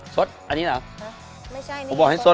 สดอันนี้เหรอ